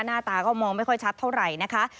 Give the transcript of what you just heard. หน้าตาก็มองไม่ค่อยชัดเท่าไหร่นะคะ